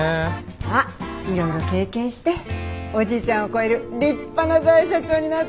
まあいろいろ経験しておじいちゃんを超える立派な大社長になってね。